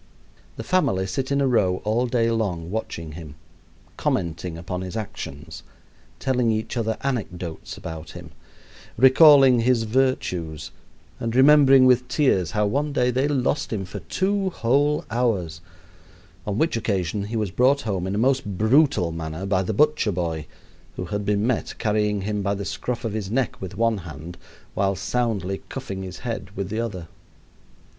The family sit in a row all day long, watching him, commenting upon his actions, telling each other anecdotes about him, recalling his virtues, and remembering with tears how one day they lost him for two whole hours, on which occasion he was brought home in a most brutal manner by the butcher boy, who had been met carrying him by the scruff of his neck with one hand, while soundly cuffing his head with the other.